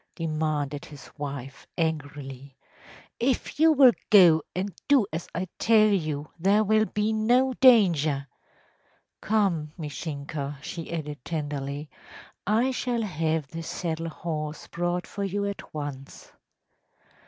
‚ÄĚ demanded his wife, angrily. “If you will go and do as I tell you there will be no danger. Come, Mishinka,‚ÄĚ she added, tenderly; “I shall have the saddle horse brought for you at once.